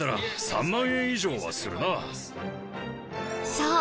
そう。